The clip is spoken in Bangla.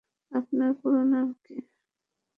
আপনার পুরো নাম কী?